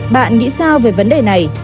bạn nghĩ sao về vấn đề này